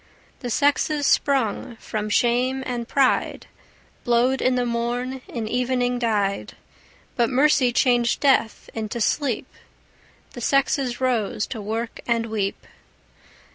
The sexes sprung from shame and pride, Blowed in the morn, in evening died; But mercy changed death into sleep; The sexes rose to work and weep.